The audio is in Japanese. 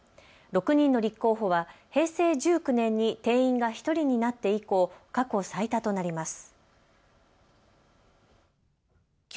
６人の立候補は平成１９年に定員が１人になって以降、過去最多となります。